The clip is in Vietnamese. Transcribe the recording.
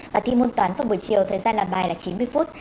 và thi môn toán vào buổi chiều thời gian làm bài là chín mươi phút